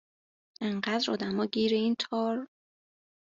انقدرآدما گیر این تار